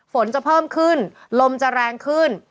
ฝนจะเพิ่มขึ้นลมจะแรงขึ้น